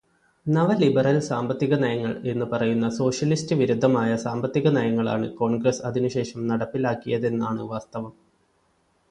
നവലിബെറൽ സാമ്പത്തികനയങ്ങൾ എന്നു പറയുന്ന സോഷ്യലിസ്റ്റ് വിരുദ്ധമായ സാമ്പത്തികനയങ്ങളാണ് കോൺഗ്രസ്സ് അതിനു ശേഷം നടപ്പിലാക്കിയതെന്നാണ് വാസ്തവം.